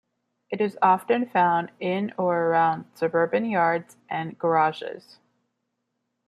It is often found in or around suburban yards and garages.